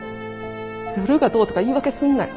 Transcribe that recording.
夜がどうとか言い訳すんなよ。